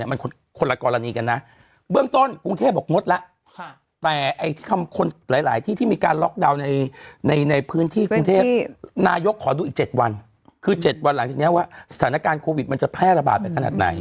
อย่างนี้ว่าสถานการณ์โควิดมันจะแพร่ระบาดไปขนาดไหน